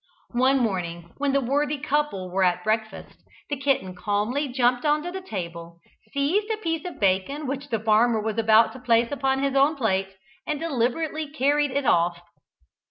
One morning, when the worthy couple were at breakfast, the kitten calmly jumped on to the table, seized a piece of bacon which the farmer was about to place upon his own plate, and deliberately carried it off.